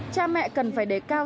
cha mẹ cần phải để cao